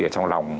ở trong lòng